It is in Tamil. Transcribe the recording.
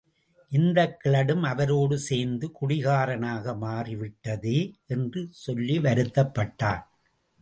இந்தக் கிழடும் அவரோடு சேர்ந்து குடிகாரனாக மாறிவிட்டதே! என்று சொல்லி வருத்தப்பட்டான்.